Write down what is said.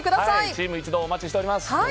チーム一同お待ちしております！